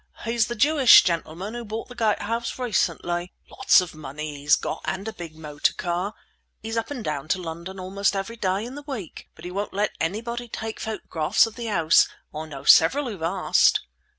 "He's the Jewish gentleman who bought the Gate House recently. Lots of money he's got and a big motor car. He's up and down to London almost every day in the week, but he won't let anybody take photographs of the house. I know several who've asked."